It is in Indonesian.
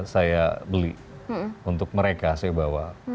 saya beli untuk mereka saya bawa